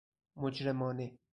مجرمانه